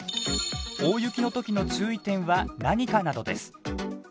大雪の時の注意点は何かなどです。